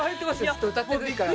ずっと歌ってる時から。